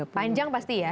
panjang pasti ya